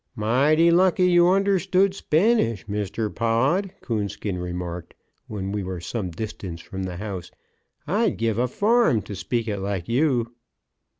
"Mighty lucky you understood Spanish, Mr. Pod," Coonskin remarked, when we were some distance from the house. "I'd give a farm to speak it like you."